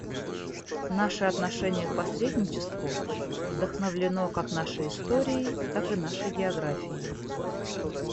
Наше отношение к посредничеству вдохновлено как нашей историей, так и нашей географией.